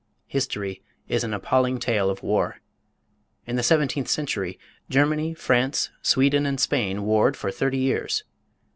History is an appalling tale of war. In the seventeenth century Germany, France, Sweden, and Spain warred for thirty years.